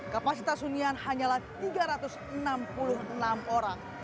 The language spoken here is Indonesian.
kapasitas hunian hanyalah tiga ratus enam puluh enam orang